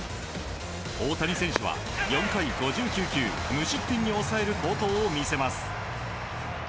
大谷選手は、４回５９球無失点に抑える好投を見せます。